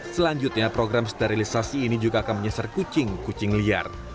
selanjutnya program sterilisasi ini juga akan menyeser kucing kucing liar